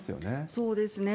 そうですね。